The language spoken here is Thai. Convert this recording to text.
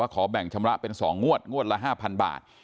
ขอแบ่งชำระเป็น๒งวดงวดละ๕๐๐บาท